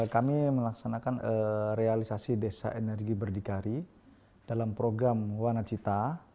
kami melaksanakan realisasi desa energi berdikari dalam program wanacita